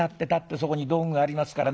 そこに道具がありますからね。